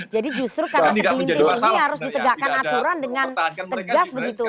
jadi justru karena sepinting ini harus ditegakkan aturan dengan tegas begitu